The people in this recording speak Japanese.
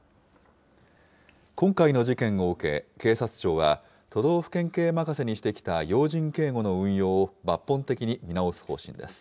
今回の事件を受け、警察庁は、都道府県警任せにしてきた要人警護の運用を抜本的に見直す方針です。